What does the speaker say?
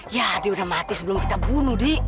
ya dia udah mati sebelum kita bunuh di